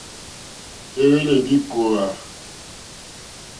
É hwélì ndí kòòhvà.